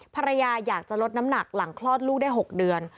ภรรยาอยากจะลดน้ำหนักหลังคลอดลูกได้๖เดือน